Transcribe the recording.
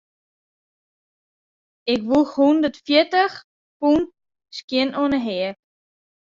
Ik woech hûndertfjirtich pûn skjin oan 'e heak.